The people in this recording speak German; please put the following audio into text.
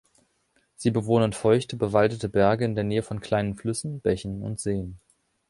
Sie bewohnen feuchte, bewaldete Berge in der Nähe von kleinen Flüssen, Bächen und Seen.